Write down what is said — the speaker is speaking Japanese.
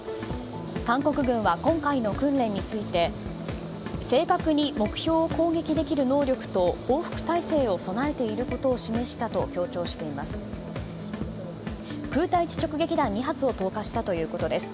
韓国軍は今回の訓練について正確に目標を攻撃できる能力と報復態勢を備えていることを示したと強調しています。